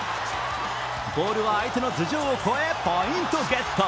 ボールは相手の頭上を越え、ポイントゲット。